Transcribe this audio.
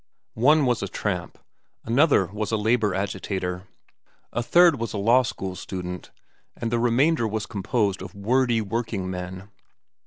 One was a tramp, another was a labor agitator, a third was a law school student, and the remainder was composed of wordy workingmen.